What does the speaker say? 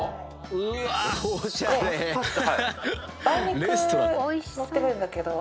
梅肉載ってるんだけど。